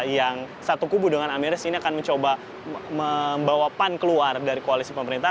yang satu kubu dengan amirris ini akan mencoba membawa pan keluar dari koalisi pemerintah